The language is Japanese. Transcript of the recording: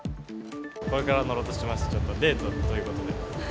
これから乗ろうとしてました、ちょっとデートということで。